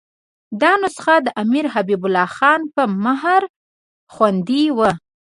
دا نسخه د امیر حبیب الله خان په مهر خوندي وه.